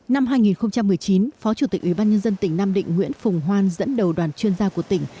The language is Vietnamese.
năm hai nghìn một mươi chín phó chủ tịch ubnd tỉnh nam định nguyễn phùng hoan dẫn đầu đoàn chuyên gia của tỉnh